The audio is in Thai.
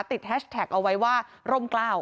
แฮชแท็กเอาไว้ว่าร่มกล้าว